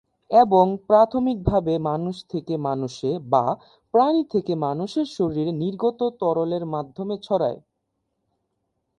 এবং প্রাথমিকভাবে মানুষ থেকে মানুষে বা প্রাণী থেকে মানুষে শরীর নির্গত তরলের মাধ্যমে ছড়ায়।